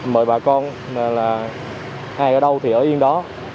mời bà con là hay ở đâu thì ở yên đó